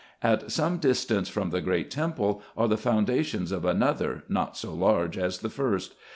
At some distance from the great temple are the foundations of another, not so large as the first.